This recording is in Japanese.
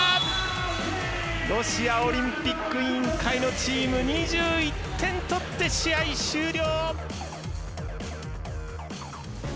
ロシアオリンピック委員会のチーム２１点取って試合終了。